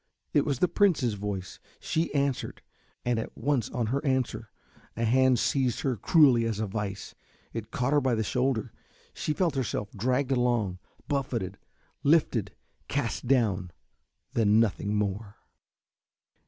It was the Prince's voice. She answered, and at once on her answer a hand seized her cruelly as a vice. It caught her by the shoulder. She felt herself dragged along, buffeted, lifted, cast down then nothing more.